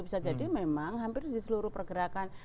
bisa jadi memang hampir di seluruh pergerakan